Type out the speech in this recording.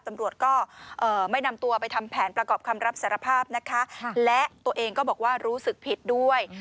ตำรวจก็ไม่นำตัวไปทำแผนประกอบคำรับสารภาพนะคะและตัวเองก็บอกว่ารู้สึกผิดด้วย